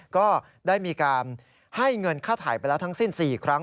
ก็ได้มีการให้เงินค่าถ่ายไปแล้วทั้งสิ้น๔ครั้ง